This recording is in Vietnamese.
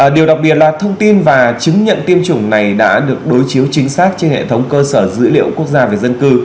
điều đặc biệt là thông tin và chứng nhận tiêm chủng này đã được đối chiếu chính xác trên hệ thống cơ sở dữ liệu quốc gia về dân cư